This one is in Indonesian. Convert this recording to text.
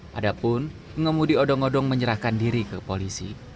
padahal pengemudi odong odong menyerahkan diri ke polisi